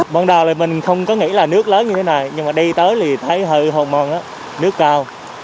ban đầu là mình không có nghĩ là nước lớn như thế này nhưng mà đi tới thì thấy hơi mòn á nước cao